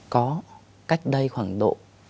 có cách đây khoảng độ